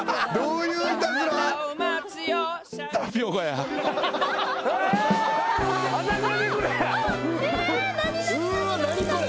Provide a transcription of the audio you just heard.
うわっ何これ。